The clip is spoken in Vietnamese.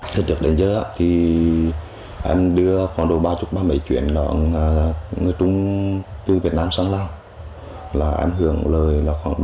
thật được đến giờ thì